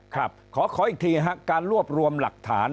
ครับขออีกทีฮะการรวบรวมหลักฐาน